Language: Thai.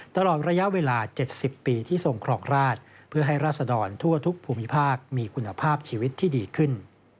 ตลอดระยะเวลา๗๐ปีที่ทรงครองราชเพื่อให้ราศดรทั่วทุกภูมิภาคมีคุณภาพชีวิตที่ดีขึ้น